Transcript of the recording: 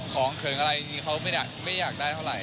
ของเขินอะไรเขาไม่อยากได้เท่าไหร่